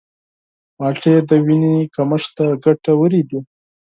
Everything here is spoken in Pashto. مالټې د وینې کمښت ته ګټورې دي.